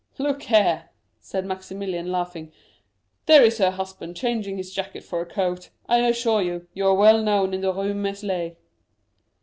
"Look there," said Maximilian, laughing; "there is her husband changing his jacket for a coat. I assure you, you are well known in the Rue Meslay."